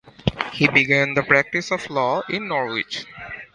He began the practice of law in Norwich.